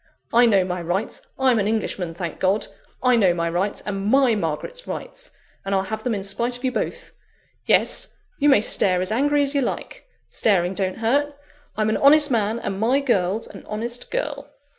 I know my rights; I'm an Englishman, thank God! I know my rights, and my Margaret's rights; and I'll have them in spite of you both. Yes! you may stare as angry as you like; staring don't hurt. I'm an honest man, and my girl's an honest girl!"